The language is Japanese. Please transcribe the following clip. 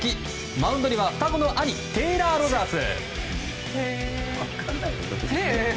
マウンドには双子の兄テーラー・ロジャース。